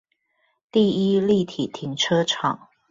第一立體停車場